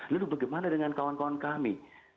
lalu bagaimana dengan kawan kawan kami